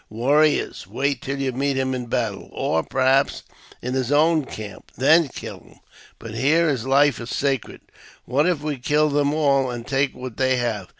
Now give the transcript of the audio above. Warriors ! wait till you meet him in battle, or, perhaps, in his own camp, then kill him ; but here his life is sacred. What if we kill them all, and take what they have